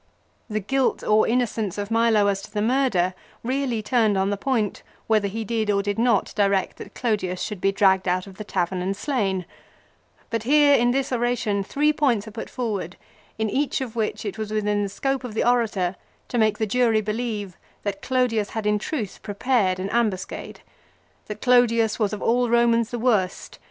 The guilt or innocence of Milo as to the murder really turned on the point whether he did or did not direct that Clodius should be dragged out of the tavern and slain ; but here in this oration, three points are put forward in each of which it was within the scope of the orator to make the jury believe that Clodius had in truth prepared an ambuscade, that Clodius was of all Eomans the worst>.